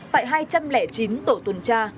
tại hai trăm linh chín tổ tuần tra